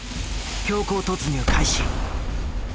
強行突入開始。